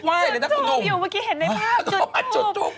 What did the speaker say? มันถูกอยู่เมื่อกี้เห็นในภาพจุดทุบ